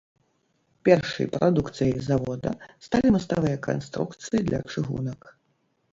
Першай прадукцыяй завода сталі маставыя канструкцыі для чыгунак.